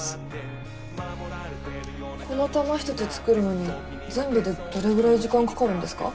この玉ひとつ作るのに全部でどれぐらい時間かかるんですか？